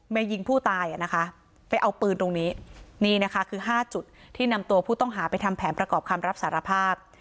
มายิงผู้ตายอ่ะนะคะไปเอาปืนตรงนี้นี่นะคะคือ๕จุดที่นำตัวผู้ต้องหาไปทำแผนประกอบคำรับสารภาพ